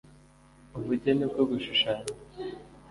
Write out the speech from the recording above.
- ubugeni bwo gushushanya: